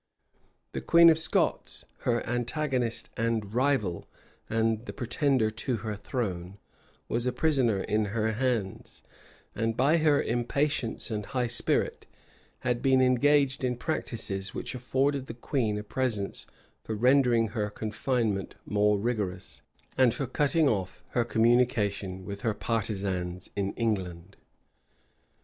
The queen of Scots, her antagonist and rival, and the pretender to her throne, was a prisoner in her hands; and, by her impatience and high spirit, had been engaged in practices which afforded the queen a pretence for rendering her confinement more rigorous, and for cutting off her communication with her partisans in England.